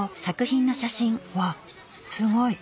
わっすごい。